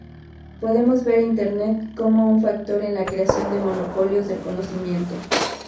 Podemos ver a Internet como un factor en la creación de monopolios del conocimiento.